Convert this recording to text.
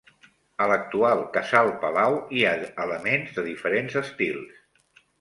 A l'actual casal-palau hi ha elements de diferents estils.